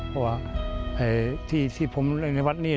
เพราะว่าที่ผมเล่นในวัดนี้